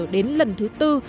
đến lần thứ tư